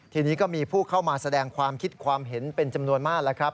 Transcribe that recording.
ทีนี้ก็มีผู้เข้ามาแสดงความคิดความเห็นเป็นจำนวนมากแล้วครับ